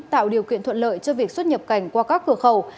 tạo điều kiện thuận lợi cho việc xuất nhập cảnh qua các cửa khẩu